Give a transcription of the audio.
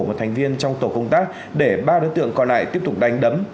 một thành viên trong tổ công tác để ba đối tượng còn lại tiếp tục đánh đấm